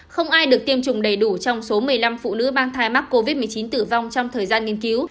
không ai được tiêm chủng đầy đủ trong số một mươi năm phụ nữ mang thai mắc covid một mươi chín tử vong trong thời gian nghiên cứu